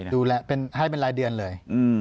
ดูแลให้เป็นรายเดือนเลย